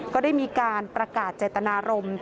ก็ได้มีการประกาศเจตนารมณ์